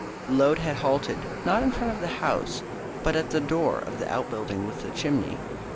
The load had halted, not in front of the house, but at the door of the out building with the chimney.